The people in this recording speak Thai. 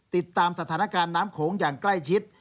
ติดตามสถานการณ์น้ำโขงอย่างใกล้ชิด